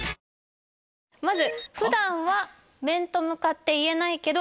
まず「普段は面と向かって言えないけど」